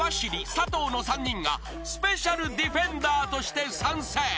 佐藤の３人がスペシャルディフェンダーとして参戦］